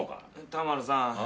田丸さん。